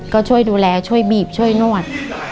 ก็ช่วยดูแลช่วยบีบช่วยนวด